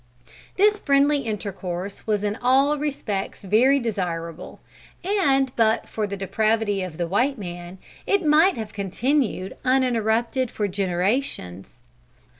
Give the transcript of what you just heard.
This friendly intercourse was in all respects very desirable; and but for the depravity of the white man it might have continued uninterrupted for generations.